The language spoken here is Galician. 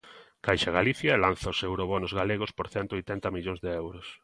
Caixa Galicia lanza os eurobonos galegos por cento oitenta millóns de euros